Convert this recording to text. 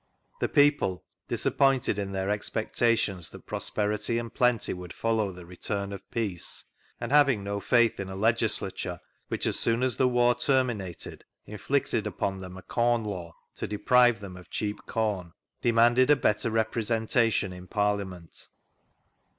The people, disappointed in their expec tations that prosperity and plenty would follow the return <A peace, and having no faith in a legisla ture which as soon as the war terminated inflicted upon them a Corn Law to deprive them of cheap com, demanded a better repi*esentation in Parlia ment.